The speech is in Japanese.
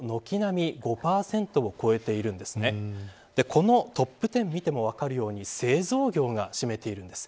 このトップ１０を見ても分かるように製造業が占めているんです。